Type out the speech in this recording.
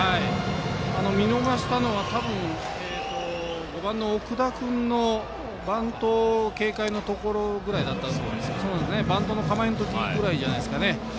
見逃したのは５番の奥田君のバント警戒のところぐらいだったんでバントの構えのときぐらいじゃないですかね。